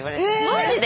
マジで？